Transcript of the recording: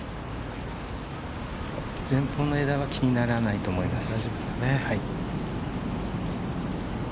前方の枝は気にならないと思います。